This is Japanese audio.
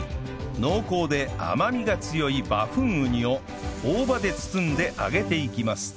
濃厚で甘みが強いバフンウニを大葉で包んで揚げていきます